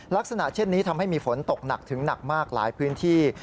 ลักษณะเช่นนี้ทำให้มีฝนตกหนักถึงหนักมากหลายพื้นที่